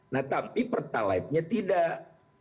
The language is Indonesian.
nah tapi pertalaid nya tidak